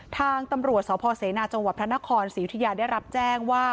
ทางตำรวจสพเสนาจังหวัดพระนครศรียุธยาได้รับแจ้งว่า